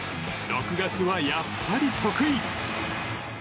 ６月はやっぱり得意！